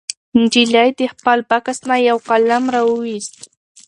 نجلۍ د خپل بکس نه یو قلم راوویست.